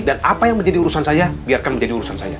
dan apa yang menjadi urusan saya biarkan menjadi urusan saya